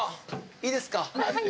いいですか？